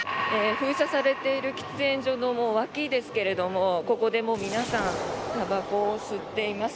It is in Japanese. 封鎖されている喫煙所の脇ですけれどもここで皆さんたばこを吸っています。